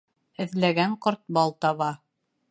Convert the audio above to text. Эҙләгән ҡорт бал таба.